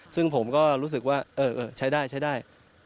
ซึ่งผมก็รู้สึกว่าใช้ได้